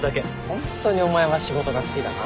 ホントにお前は仕事が好きだな。